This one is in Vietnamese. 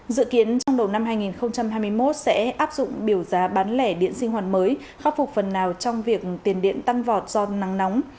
dự kiến trong đầu năm hai nghìn hai mươi một sẽ áp dụng biểu giá bán lẻ điện sinh hoạt mới khắc phục phần nào trong việc tiền điện tăng vọt do nắng nóng